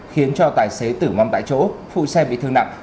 khiến cho tài xế tử vong tại chỗ phụ xe bị thương nặng